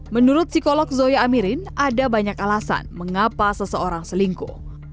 menurut psikolog zoya amirin ada banyak alasan mengapa seseorang selingkuh